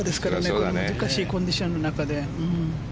この難しいコンディションの中で。